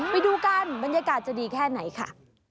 ไปดูกันบรรยากาศจะดีแค่ไหนค่ะ